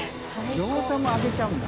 嚢癲餃子も揚げちゃうんだ。